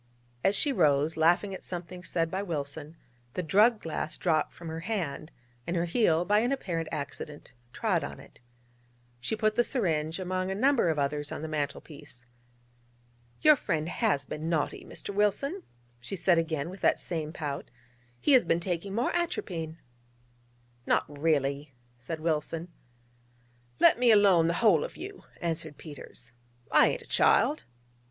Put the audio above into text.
As she rose, laughing at something said by Wilson, the drug glass dropped from her hand, and her heel, by an apparent accident, trod on it. She put the syringe among a number of others on the mantel piece. 'Your friend has been naughty, Mr. Wilson,' she said again with that same pout: 'he has been taking more atropine.' 'Not really?' said Wilson. 'Let me alone, the whole of you,' answered Peters: 'I ain't a child.'